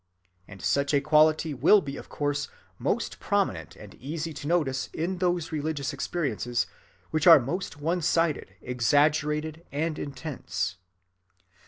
And such a quality will be of course most prominent and easy to notice in those religious experiences which are most one‐ sided, exaggerated, and intense.